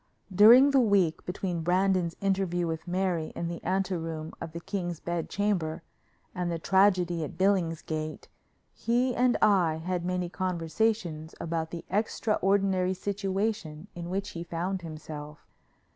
During the week, between Brandon's interview with Mary in the ante room of the king's bed chamber and the tragedy at Billingsgate, he and I had many conversations about the extraordinary situation in which he found himself.